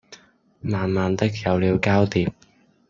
慢慢的有了交疊